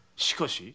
しかし？